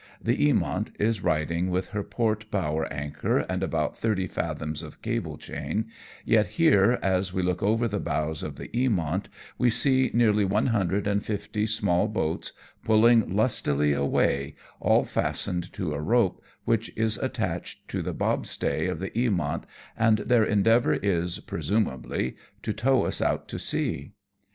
The Eamont is riding with her port bower anchor K 2 132 AMONG TYPHOONS AND PIRATE CRAFT. and about thirty fathoms of cable chain, yet here, as we look over the bows of the Eamont we see nearly one hundred and fifty small boats pulling lustily aw ay, all fastened to a rope which is attached to the bobstay of the Eamont, and their endeavour is, presumably, to tow us out to sea.